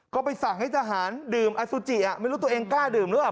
ก็ไปสั่งให้ทหารดื่มอสุจิไม่รู้ตัวเองกล้าดื่มหรือเปล่า